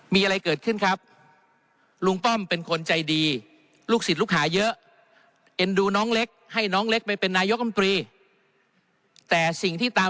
มีอะไรเกิดขึ้นครับลุงป้อมเป็นคนใจดีลูกศิษย์ลูกขาเยอะ